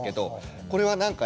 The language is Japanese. これはなんかね